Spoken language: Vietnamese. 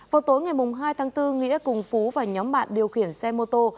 vào tối ngày hai tháng bốn nghĩa cùng phú và nhóm bạn điều khiển xe mô tô